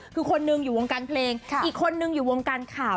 คือคนหนึ่งอยู่วงการเพลงอีกคนนึงอยู่วงการข่าว